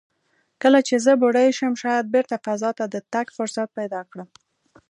کله چې زه بوډۍ شم، شاید بېرته فضا ته د تګ فرصت پیدا کړم."